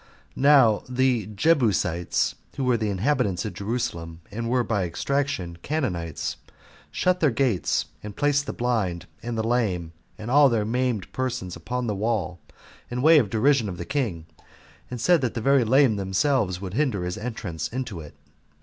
1. Now the Jebusites, who were the inhabitants of Jerusalem, and were by extraction Canaanites, shut their gates, and placed the blind, and the lame, and all their maimed persons, upon the wall, in way of derision of the king, and said that the very lame themselves would hinder his entrance into it.